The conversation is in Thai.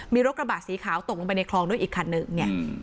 มีรถกระบะสีขาวตกลงไปในคลองด้วยอีกคันหนึ่งเนี่ย